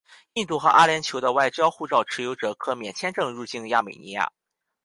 印度和阿联酋的外交护照持有者可免签证入境亚美尼亚。